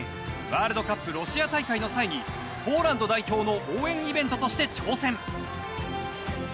ワールドカップロシア大会の際にポーランド代表の応援イベントとして挑戦。